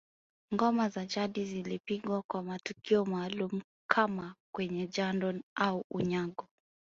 Ngoma za jadi zilipigwa kwa matukio maalum kama kwenye jando au unyago